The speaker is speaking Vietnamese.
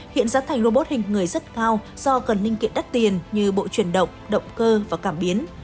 hiện giá thành robot hình người rất cao do cần ninh kiện đắt tiền như bộ chuyển động động cơ và cảm biến